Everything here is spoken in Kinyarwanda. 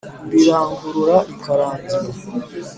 Urirangurura rikarangira